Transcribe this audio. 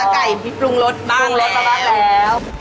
อ๋อไก่ปรุงรสบ้างแล้ว